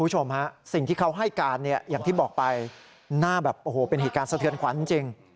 หน้าแบบโอ้โฮเป็นเหตุการณ์สะเทือนขวัญจริง